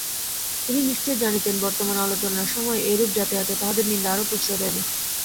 তিনি নিশ্চয় জানিতেন বর্তমান আলোচনার সময় এইরূপ যাতায়াতে তাঁহাদের নিন্দা আরো প্রশ্রয় পাইবে।